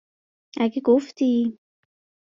اگه گفتی؟